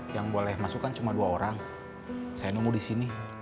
yang boleh masuk kan cuma dua orang saya nunggu disini